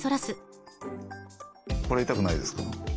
これ痛くないですか？